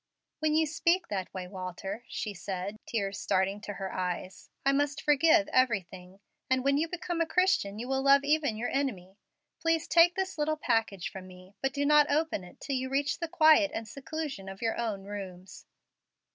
"When you speak that way, Walter," she said, tears starting to her eyes, "I must forgive everything; and when you become a Christian you will love even your enemy. Please take this little package from me, but do not open it till you reach the quiet and seclusion of your own rooms.